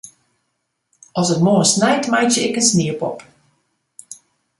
As it moarn snijt, meitsje ik in sniepop.